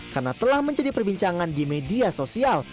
karena telah menjadi perbincangan di media sosial